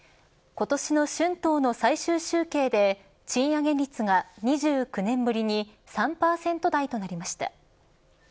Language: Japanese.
今年の春闘の最終集計で賃上げ率が２９年ぶりに３％台となりました。